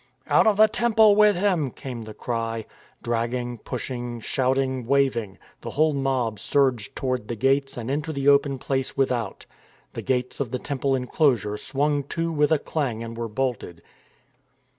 " Out of the Temple with him !" came the cry. Dragging, pushing, shouting, waving, the whole mob surged toward the gates and into the open place with out. The gates of the Temple enclosure swung to with a clang and were bolted.